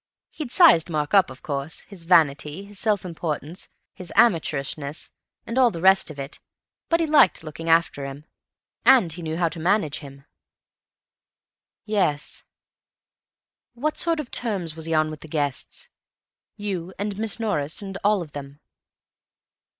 He'd sized Mark up, of course—his vanity, his self importance, his amateurishness and all the rest of it—but he liked looking after him. And he knew how to manage him." "Yes.... What sort of terms was he on with the guests—you and Miss Norris and all of them?"